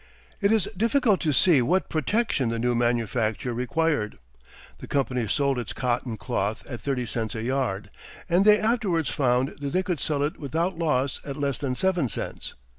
It is difficult to see what protection the new manufacture required. The company sold its cotton cloth at thirty cents a yard, and they afterwards found that they could sell it without loss at less than seven cents.